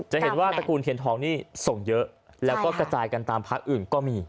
จะเห็นว่าตระกูลเทียนทองนี่ส่งเยอะแล้วก็กระจายกันตามพักอื่นก็มี